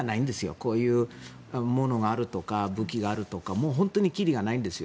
こういうものがあるとか武器があるとか本当に切りがないんですよ。